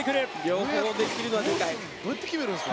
両方できるのはでかい。